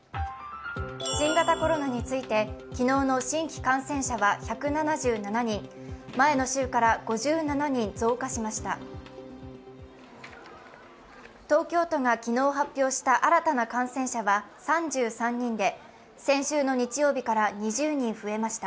新型コロナについて、昨日の新規感染者は１７７人、前の週から５７人増加しました。